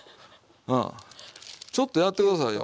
ちょっとやって下さいよ。